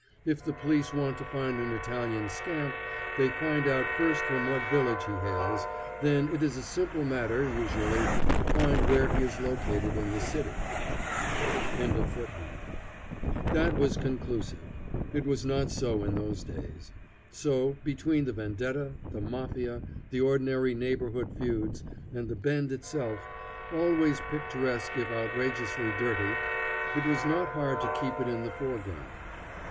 If the police want to find an Italian scamp, they find out first from what village he hails, then it is a simple matter, usually, to find where he is located in the city.] That was conclusive. It was not so in those days. So, between the vendetta, the mafia, the ordinary neighborhood feuds, and the Bend itself, always picturesque if outrageously dirty, it was not hard to keep it in the foreground.